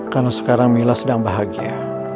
karena sekarang mila sedang bahagia